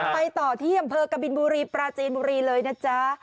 ไปต่อที่อำเภอกบินบุรีปราจีนบุรีเลยนะจ๊ะ